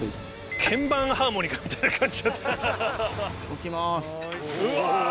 鍵盤ハーモニカみたいな感じ。